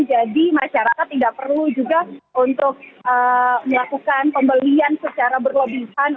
jadi masyarakat tidak perlu juga untuk melakukan pembelian secara berlebihan